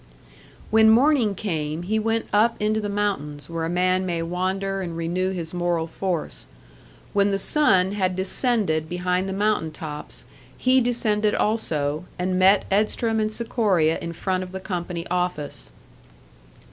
When morning came, he went up into the mountains, where a man may wander and renew his moral force. When the sun had descended behind the mountain tops, he descended also, and met Edstrom and Sikoria in front of the company office.